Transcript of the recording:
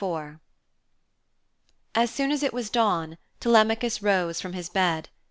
IV As soon as it was dawn Telemachus rose from his bed.